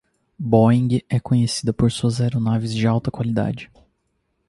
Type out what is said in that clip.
Boeing é conhecida por suas aeronaves de alta qualidade.